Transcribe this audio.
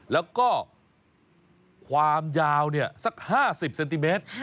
แล้วก็ความยาวสัก๕๐เซนติเมตร